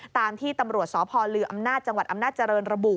ตามที่ตำรวจสพลืออำนาจจังหวัดอำนาจเจริญระบุ